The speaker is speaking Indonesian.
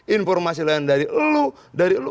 informasi lain dari lu